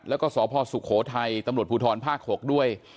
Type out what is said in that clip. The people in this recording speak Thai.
แล้วก็สพสุโขทัยตำรวจภูทรภาค๖ด้วย